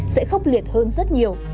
sẽ khốc liệt hơn rất nhiều